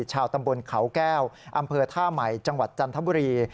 ชาวตำบลเขาแก้วอำเภอท่าใหม่จังหวัดจันทบุรี